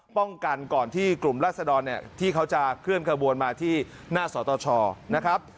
ป้องกันก่อนที่กลุ่มรัศดรเนี่ยที่เขาจะเคลื่อนขบวนมาที่หน้าสตชนะครับ